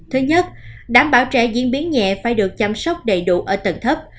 thứ nhất đảm bảo trẻ diễn biến nhẹ phải được chăm sóc đầy đủ ở tầng thấp